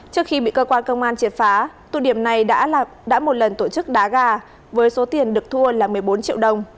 trước khi bị cơ quan công an triệt phá tụ điểm này đã một lần tổ chức đá gà với số tiền được thua là một mươi bốn triệu đồng